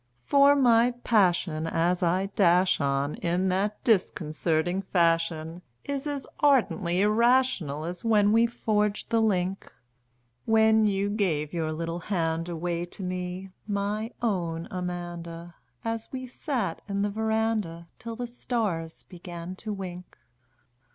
For my passion as I dash on in that disconcerting fashion Is as ardently irrational as when we forged the link When you gave your little hand away to me, my own Amanda An we sat 'n the veranda till the stars began to wink.